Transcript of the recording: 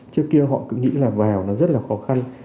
trước kia họ cứ nghĩ là vào nó rất là khó khăn